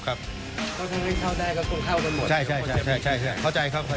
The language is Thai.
ถ้าไม่เข้าได้ก็ต้องเข้ากันหมด